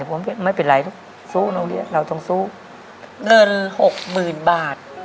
ผมไม่เป็นไรสู้โรงเรียนเราต้องสู้เงินหกหมื่นบาท